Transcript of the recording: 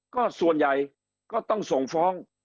ก็ส่วนใหญ่ก็ต้องส่งฟ้อง